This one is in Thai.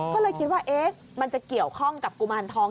ก็เลยคิดว่ามันจะเกี่ยวข้องกับกุมารทอง